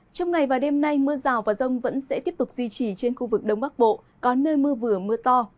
trong ngày và đêm nay mưa rào và rông vẫn sẽ tiếp tục duy trì trên khu vực đông bắc bộ có nơi mưa vừa mưa to